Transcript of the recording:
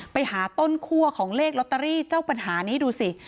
ไปหาต้นคั่วของเลขลอตเตอรี่เจ้าปัญหานี้ดูสิ